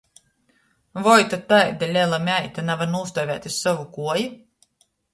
Voi ta taida lela meita navar nūstuovēt iz sovu kuoju?